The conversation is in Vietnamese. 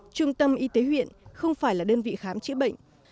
trung tâm y tế huyện không phải là đơn vị khám chữa bệnh